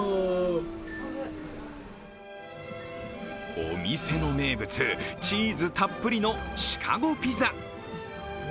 お店の名物、チーズたっぷりのシカゴピザ。